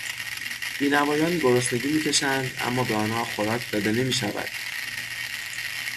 بینوایان گرسنگی میکشند اما به آنها خوراک داده نمیشود.